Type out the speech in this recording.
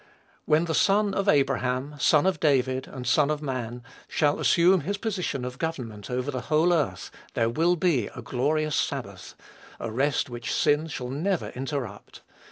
When the Son of Abraham, Son of David, and Son of Man, shall assume his position of government over the whole earth, there will be a glorious sabbath, a rest which sin shall never interrupt.